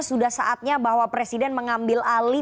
sudah saatnya bahwa presiden mengambil alih